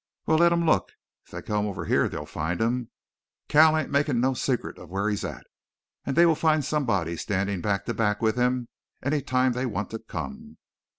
"Well, let 'em look. If they come over here they'll find him Cal ain't makin' no secret of where he's at. And they'll find somebody standin' back to back with him, any time they want to come."